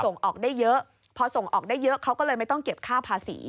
ส่งออกได้เยอะพอส่งออกได้เยอะเขาก็เลยไม่ต้องเก็บค่าภาษี